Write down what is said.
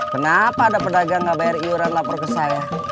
kenapa ada pedagang enggak bayar yoran lapor ke saya